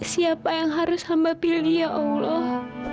siapa yang harus hamba pilih ya allah